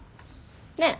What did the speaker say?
ねえ。